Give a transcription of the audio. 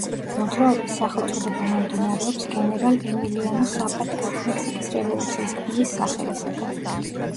მოძრაობის სახელწოდება მომდინარეობს გენერალ ემილიანო საპატას, მექსიკის რევოლუციის გმირის სახელისაგან.